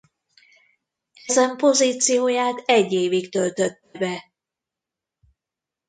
Ezen pozícióját egy évig töltötte be.